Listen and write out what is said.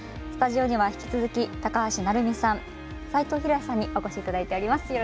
スタジオには引き続き高橋成美さん、齋藤浩哉さんにお越しいただいています。